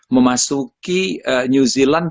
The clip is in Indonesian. memasuki new zealand